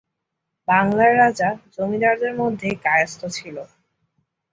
বাংলার রাজা, জমিদার দের মধ্যে কায়স্থ ছিল।